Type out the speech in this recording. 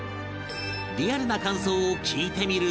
リアルな感想を聞いてみると